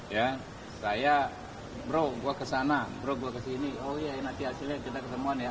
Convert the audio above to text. ya saya bro gue kesana bro gue kesini oh iya nanti hasilnya kita ketemuan ya